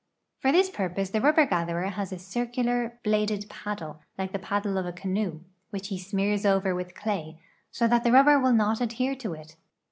For this purpose the rubber gatherer has a circular bladed paddle, like the paddle of a canoe, which he smears over with clay, so that the rubber will not adhere to it.